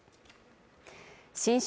新春